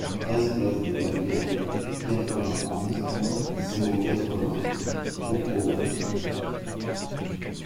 treize place des Plaquères, quatre-vingt-onze, zéro quatre-vingts, Courcouronnes